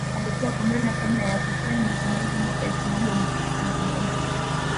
Alikua kamanda kabla ya kufanya mapinduzi mwaka elfu moja mia tisa na moja